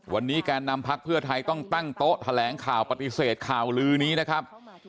วันนี้แกนนำพักเพื่อไทยต้องตั้งโต๊ะแถลงข่าวปฏิเสธข่าวลือนี้นะครับ